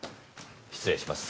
失礼します。